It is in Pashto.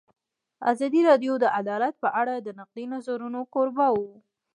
ازادي راډیو د عدالت په اړه د نقدي نظرونو کوربه وه.